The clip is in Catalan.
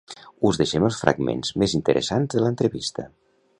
Us deixem els fragments més interessants de l'entrevista.